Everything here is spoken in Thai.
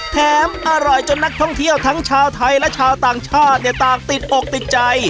แถมอร่อยจนนักท่องเที่ยวทั้งชาวไทยและชาวต่างชาติเนี่ยต่างติดอกติดใจ